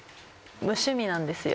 無趣味なんですよ。